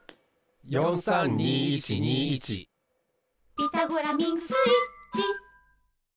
「ピタゴラミングスイッチ」